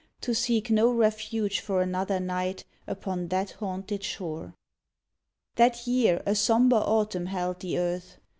To seek no refuge for another night Upon that haunted shore. That year a sombre autumn held the earth.